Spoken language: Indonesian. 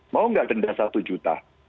mau nggak denda satu juta